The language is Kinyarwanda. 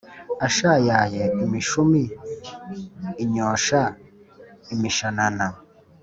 Ashayaye imishuni inyosha imishanana